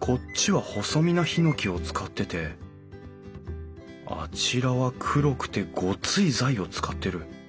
こっちは細身なヒノキを使っててあちらは黒くてゴツい材を使ってる。